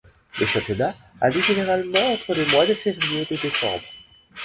Le championnat a lieu généralement entre les mois de février et de décembre.